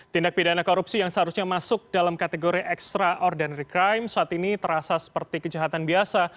tindak pidana korupsi yang seharusnya masuk dalam kategori extraordinary crime saat ini terasa seperti kejahatan biasa